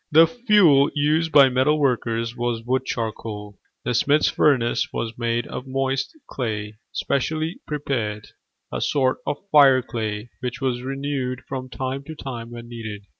The fuel used by metal workers was wood charcoal. The smith's furnace was made of moist clay, specially prepared, a sort of fire clay, which was renewed from time to time when needed.